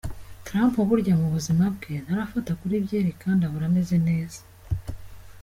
Trump burya mu buzima bwe ntarafata kuri byeri, kandi ahora ameze neza.